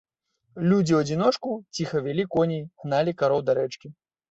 Людзі ў адзіночку ціха вялі коней, гналі кароў да рэчкі.